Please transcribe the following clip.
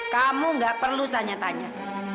kamu gak perlu tanya tanya